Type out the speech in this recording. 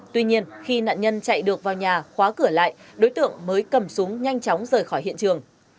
tuy nhiên khi nạn nhân chạy được vào nhà khóa cửa lại đối tượng mới cầm súng nhanh chóng rời khỏi hiện trường